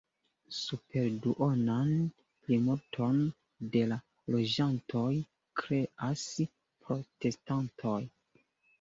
Superduonan plimulton de la loĝantoj kreas protestantoj.